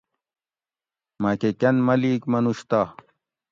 مکہ کۤن ملیک منوش تہ